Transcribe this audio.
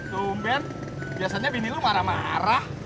sumpah biasanya bini lu marah marah